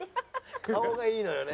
「顔がいいのよね」